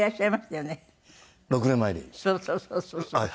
そうそうそうそう。